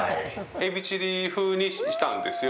エビチリ風にしたんですよ。